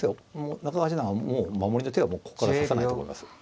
中川八段はもう守りの手はここから指さないと思います。